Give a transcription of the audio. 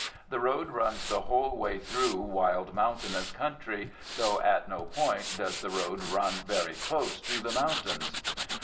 The road runs the whole way through wild mountainous country, though at no point does the road run very close to the mountains.